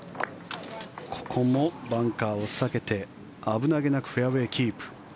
ここもバンカーを避けて危なげなくフェアウェーキープ。